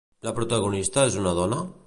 La protagonista és una dona?